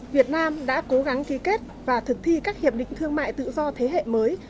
việt nam đã cố gắng ký kết và thực thi các hiệp định thương mại tự do thế hệ mới